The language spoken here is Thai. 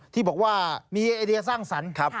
ที่บอกว่ามีไอเดียสร้างสรรค์